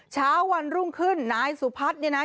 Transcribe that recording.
เช้าวันรุ่งขึ้นนายสุพัฒน์เนี่ยนะ